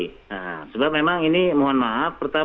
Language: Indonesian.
nah sebab memang ini mohon maaf pertama